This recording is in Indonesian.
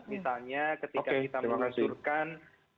misalnya ketika kita mengaturkan